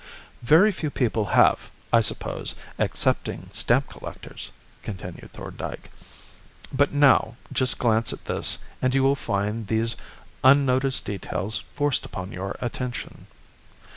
"Very few people have, I suppose, excepting stamp collectors," continued Thorndyke; "but now just glance at this and you will find these unnoticed details forced upon your attention."